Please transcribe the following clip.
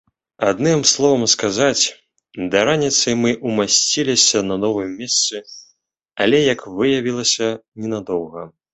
Адным словам сказаць, да раніцы мы ўмасціліся на новым месцы, але, як выявілася, ненадоўга.